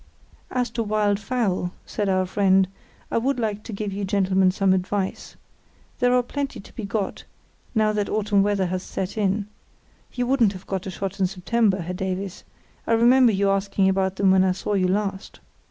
"As to wild fowl," said our friend, "I would like to give you gentlemen some advice. There are plenty to be got, now that autumn weather has set in (you wouldn't have got a shot in September, Herr Davies; I remember your asking about them when I saw you last).